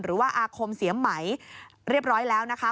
อาคมเสียไหมเรียบร้อยแล้วนะคะ